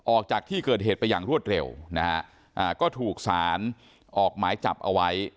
ออกจากที่เกิดเหตุไปอย่างรวดเร็วนะฮะก็ถูกสารออกหมายจับเอาไว้